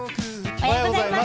おはようございます。